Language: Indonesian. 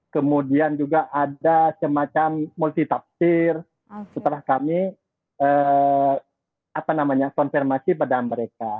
kemudian juga ada semacam multitafsir setelah kami konfirmasi pada mereka